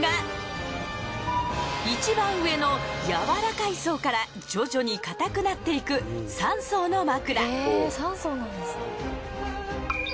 いちばん上の柔らかい層から徐々に硬くなっていく３層の枕。